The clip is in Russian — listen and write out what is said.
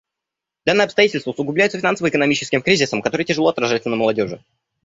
Данные обстоятельства усугубляются финансово-экономическим кризисом, который тяжело отражается на молодежи.